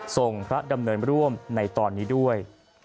ส่งพระดำเนินร่วมในตอนนี้ด้วย